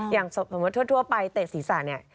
อย่างสมมุติทั่วไปเตะศีรษะเนี่ย